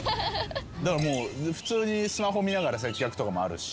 普通にスマホ見ながら接客とかもあるし。